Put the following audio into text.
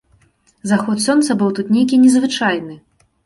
Заход сонца быў тут нейкі незвычайны.